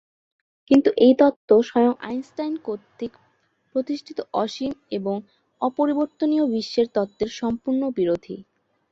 কিন্তু এই তত্ত্ব স্বয়ং আইনস্টাইন কর্তৃক প্রতিষ্ঠিত অসীম এবং অপরিবর্তনীয় বিশ্বের তত্ত্বের সম্পূর্ণ বিরোধী।